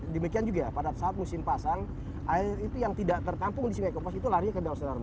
demikian juga pada saat musim pasang air itu yang tidak tertampung di sungai kompas itu larinya ke dalam senar